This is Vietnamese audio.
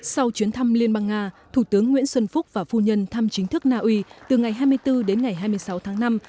sau chuyến thăm liên bang nga thủ tướng nguyễn xuân phúc và phu nhân thăm chính thức na uy từ ngày hai mươi bốn đến ngày hai mươi sáu tháng năm